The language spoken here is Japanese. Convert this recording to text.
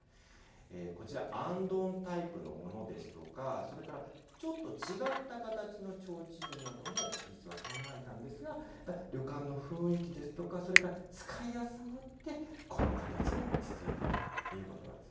こちら、行灯タイプのものですとか、それからちょっと違った形のちょうちんなども実は考えたんですが、旅館の雰囲気ですとか、それから使いやすさもあって、この形に落ち着いたということなんです。